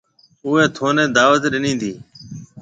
اُوئي ٿَني دعوت ڏنِي تي۔